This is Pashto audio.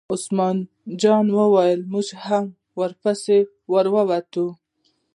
عثمان جان وویل: موږ هم در پسې را ووتو.